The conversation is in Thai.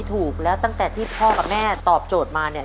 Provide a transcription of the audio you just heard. ถูกแล้วตั้งแต่ที่พ่อกับแม่ตอบโจทย์มาเนี่ย